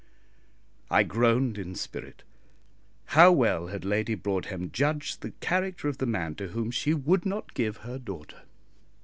I groaned in spirit. How well had Lady Broadhem judged the character of the man to whom she would not give her daughter!